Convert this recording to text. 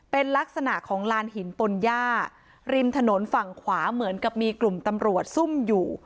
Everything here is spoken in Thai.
เป็นลักษณะของลานหินปนย่าริมถนนฝั่งขวาเหมือนกับมีกลุ่มตำรวจซุ่มอยู่